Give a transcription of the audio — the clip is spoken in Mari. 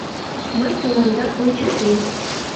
Мый тыланда ончыктем!..